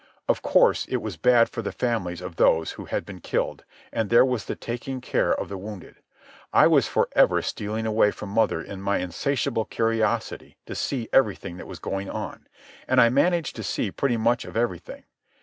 Of course it was bad for the families of those who had been killed, and there was the taking care of the wounded. I was for ever stealing away from mother in my insatiable curiosity to see everything that was going on, and I managed to see pretty much of everything.